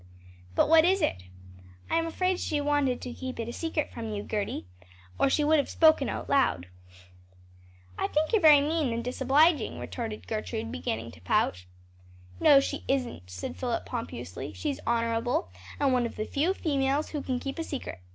"But what is it?" "I'm afraid she wanted to keep it a secret from you, Gerty, or she would have spoken out loud." "I think you're very mean and disobliging," retorted Gertrude, beginning to pout. "No, she isn't," said Philip pompously, "she's honorable, and one of the few females who can keep a secret.